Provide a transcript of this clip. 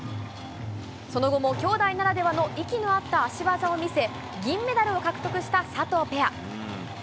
その後も姉弟ならではの息の合った足技を見せ、銀メダルを獲得した佐藤ペア。